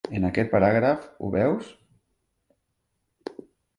En aquest paràgraf, ho veus?